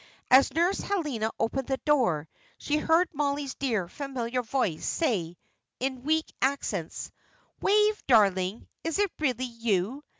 As Nurse Helena opened the door, she heard Mollie's dear, familiar voice say, in weak accents, "Wave, darling, is it really you?"